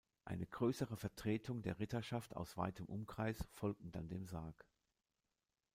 Eine größere Vertretung der Ritterschaft aus weitem Umkreis folgten dann dem Sarg.